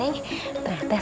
ternyata saya lupa